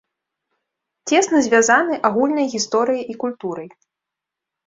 Цесна звязаны агульнай гісторыяй і культурай.